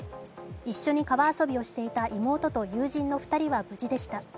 一緒に川遊びをしていた妹と友人の２人は無事でした。